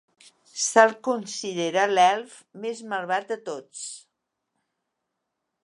Se'l considera l'elf més malvat de tots.